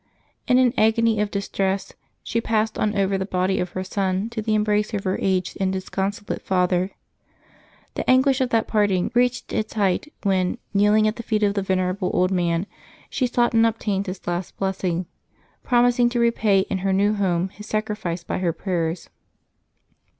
In an agony of distress, she passed on over the body of her son to the embrace of her aged and disconsolate father. The anguish of that parting reached its height when, kneeling at the feet of the venerable old man, she sought and obtained his last blessing, promising to repay in her new home his sac rifice by her prayers.